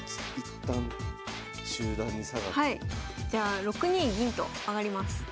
じゃあ６二銀と上がります。